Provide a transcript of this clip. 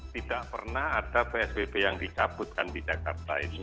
tidak pernah ada psbb yang ditabutkan di jakarta ini